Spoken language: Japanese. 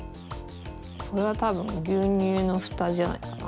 これはたぶんぎゅうにゅうのフタじゃないかな。